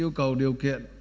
yêu cầu điều kiện